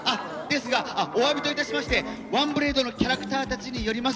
ですがおわびと致しまして『ワンブレイド』のキャラクターたちによります